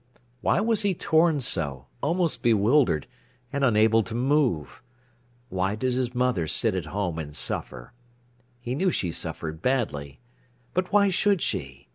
Why was he torn so, almost bewildered, and unable to move? Why did his mother sit at home and suffer? He knew she suffered badly. But why should she?